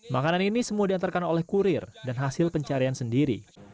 makanan ini semua diantarkan oleh kurir dan hasil pencarian sendiri